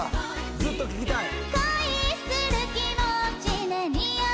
ずっと聴きたい。